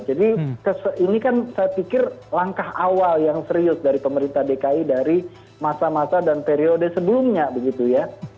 jadi ini kan saya pikir langkah awal yang serius dari pemerintah dki dari masa masa dan periode sebelumnya begitu ya